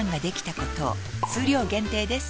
数量限定です